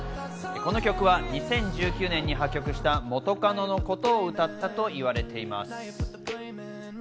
この曲は２０１９年に破局した元カノのことを歌ったといわれています。